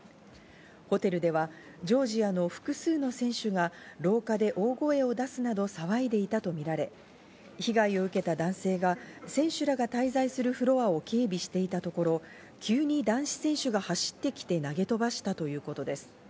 ホテルではジョージアの複数の選手が廊下で大声を出すなど騒いでいたとみられ、被害を受けた男性が、選手らが滞在するフロアを警備していたところ、急に男子選手が走ってきて投げ飛ばしたということです。